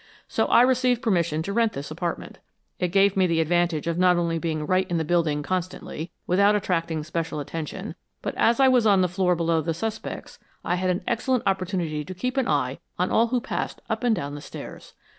So I received permission to rent this apartment. It gave me the advantage of not only being right in the building constantly, without attracting special attention, but as I was on the floor below the suspects, I had an excellent opportunity to keep an eye on all who passed up and down the stairs.